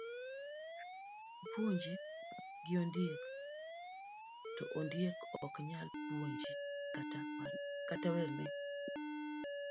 Ipuonje gi ondiek to ondiek ok nyal puonji kata werne.